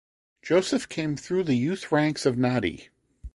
Joseph came through the youth ranks of Nadi.